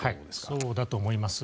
そうだと思います。